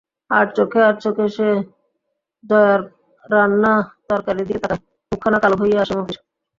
আড়চেখে আড়চোখে সে জয়ার রান্না তরকারির দিকে তাকায়, মুখখানা কালো হইয়া আসে মতির।